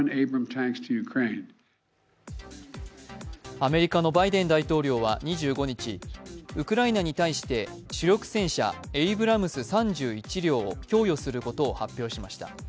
アメリカのバイデン大統領は２５日、ウクライナに対して主力戦車・エイブラムス３１両を供与することを発表しました。